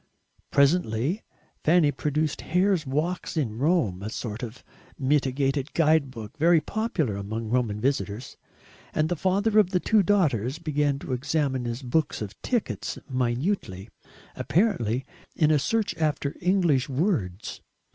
Presently Fanny produced Hare's Walks in Rome, a sort of mitigated guide book very popular among Roman visitors; and the father of the two daughters began to examine his books of tickets minutely, apparently in a search after English words.